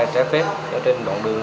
trái phép trên đoạn đường